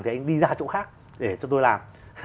thì anh đi ra chỗ khác để cho tôi làm